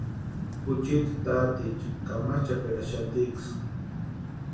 Juchiti taaticha kamachʼaperaxatiksï.